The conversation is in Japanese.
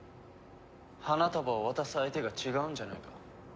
花束を渡す相手が違うんじゃないか？